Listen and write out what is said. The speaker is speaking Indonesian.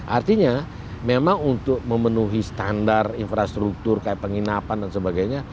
artinya memang untuk memenuhi standar infrastruktur kayak penginapan dan sebagainya